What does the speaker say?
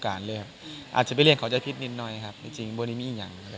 อาจจะเป้เรียนขอใจพิษนิดน่ะครับมีอีกอย่างอีกแล้ว